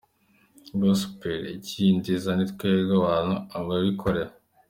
Gospel ikiyidindiza ni twebwe abantu, abikorera.